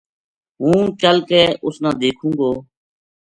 ہوں چل کے اُس نا دیکھوں گو ‘‘